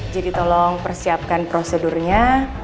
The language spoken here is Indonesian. jadi tolong persiapkan prosedurnya